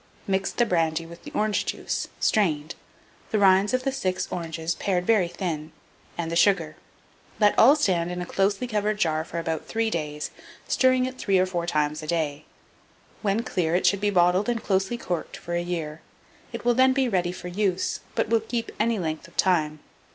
Mix the brandy with the orange juice, strained, the rinds of 6 of the oranges pared very thin, and the sugar. Let all stand in a closely covered jar for about 3 days, stirring it 3 or 4 times a day. When clear, it should be bottled and closely corked for a year; it will then be ready for use, but will keep any length of time.